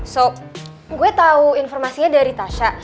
jadi gue tahu informasinya dari tasha